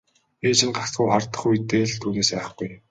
Ээж нь гагцхүү хардах үедээ л түүнээс айхгүй.